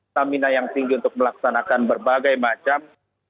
stamina yang tinggi untuk melaksanakan berbagai macam